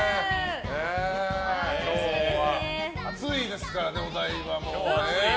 今日は暑いですからね、お台場も。